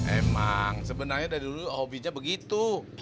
emang sebenarnya dari dulu hobinya begitu